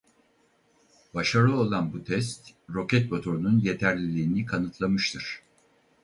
Başarılı olan bu test roket motorunun yeterliliğini kanıtlamıştır.